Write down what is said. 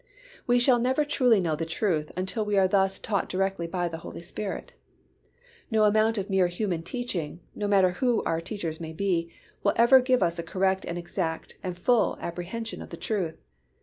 We shall never truly know the truth until we are thus taught directly by the Holy Spirit. No amount of mere human teaching, no matter who our teachers may be, will ever give us a correct and exact and full apprehension of the truth.